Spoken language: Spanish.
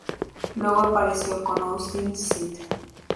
Luego apareció con Austin St.